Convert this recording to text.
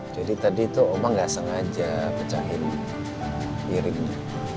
jadi tadi itu oma gak sengaja pecahin kirimnya